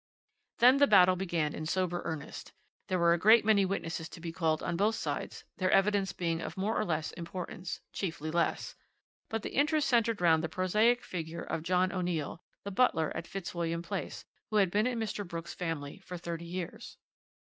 "Then the battle began in sober earnest. There were a great many witnesses to be called on both sides, their evidence being of more or less importance chiefly less. But the interest centred round the prosaic figure of John O'Neill, the butler at Fitzwilliam Place, who had been in Mr. Brooks' family for thirty years.